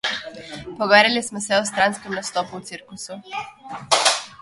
Pogovarjali smo se o stranskem nastopu v cirkusu.